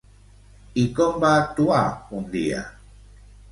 I com va actuar un dia?